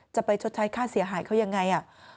จะไปชดใช้ค่าเสียหายเขายังไง